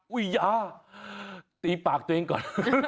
อุ๊ยอย่าตีปากตัวเองก่อน